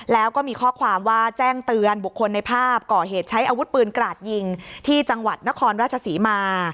แล้วก็มีข้อความว่าแจ้งเตือนบุคคลในภาพก่อเหตุใช้อาวุธปืนกราดยิงที่จังหวัดนครราชศรีมา